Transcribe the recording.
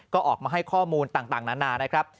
ก็ออกมาให้ข้อมูลต่างนานานะครับ